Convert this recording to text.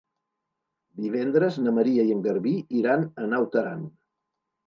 Divendres na Maria i en Garbí iran a Naut Aran.